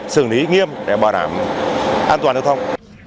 xử lý nghiêm để bảo đảm an toàn giao thông